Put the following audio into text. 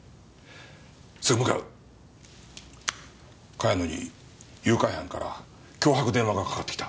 茅野に誘拐犯から脅迫電話がかかってきた。